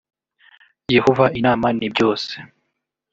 yehova inama nibyose.